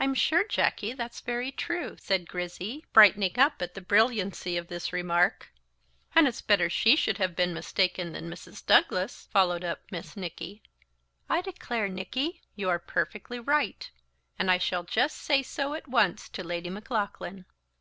"I'm sure, Jacky, that's very true," said Grizzy, brightening up at the brilliancy of this remark. "And it's better she should have been mistaken than Mrs. Douglas," followed up Miss Nicky. "I declare, Nicky, you are perfectly right; and I shall just say so at once to Lady Maclaughlan."